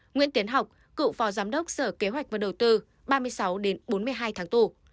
nguyễn tiến học cựu phó giám đốc sở kế hoạch và đầu tư ba mươi sáu đến bốn mươi hai tháng tù